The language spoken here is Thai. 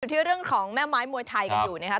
ที่เรื่องของแม่ไม้มวยไทยกันอยู่นะครับ